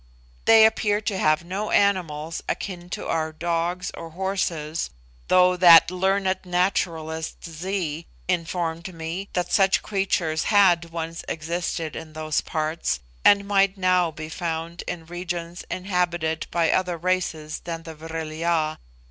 They appear to have no animals akin to our dogs or horses, though that learned naturalist, Zee, informed me that such creatures had once existed in those parts, and might now be found in regions inhabited by other races than the Vril ya.